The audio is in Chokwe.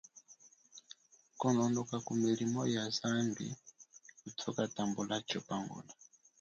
Kononoka kumilimo ya zambi mutukatambula tshipangula.